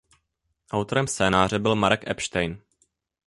Autorem scénáře byl Marek Epstein.